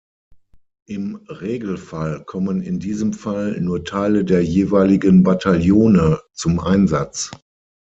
Im Regelfall kommen in diesem Fall nur Teile der jeweiligen Bataillone zum Einsatz.